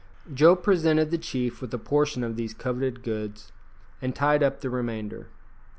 Joe presented the chief with a portion of these coveted goods, and tied up the remainder.